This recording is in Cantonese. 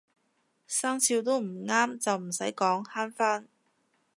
生肖都唔啱就唔使溝慳返